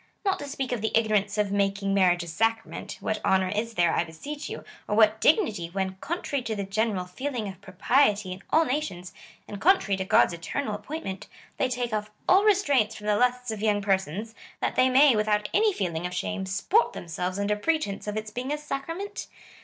Not to speak of the ignorance of making marriage a sacrament, what honour is there, I be seech you, or what dignity, when, contrary to the general feeling of propriety in all nations, and contrary to God's eternal appointment, they take off all restraints from the lusts of young persons, that they may, without any feeling of shame, sport themselves, ^ under pretence of its being a sacrament